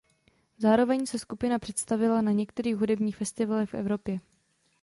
Zároveň se skupina představila na některých hudebních festivalech v Evropě.